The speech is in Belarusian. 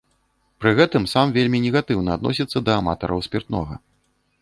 Пры гэтым сам вельмі негатыўна адносіцца да аматараў спіртнога.